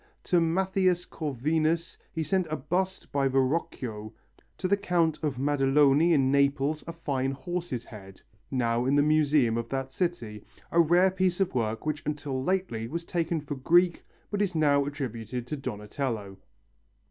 To Mathias Corvinus he sent a bust by Verrocchio, to the Count of Madaloni of Naples a fine horse's head now in the museum of that city a rare piece of work which until lately was taken for Greek but is now attributed to Donatello.